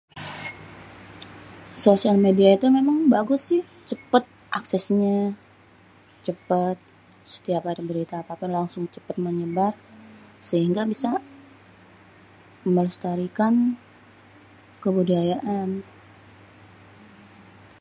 sosial media itu memang bagus sih, cepet aksesnya, cepet setiap ada berita apa-apa langsung cepet menyebar, sehingga bisa melestarikan kebudayaan